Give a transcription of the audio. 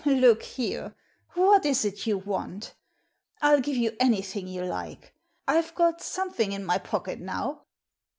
Look here ; what is it you want ? I'll g^ve yea anything you like. I've got something in my pocket now."